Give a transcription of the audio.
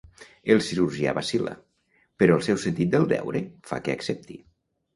El cirurgià vacil·la, però el seu sentit del deure fa que accepti.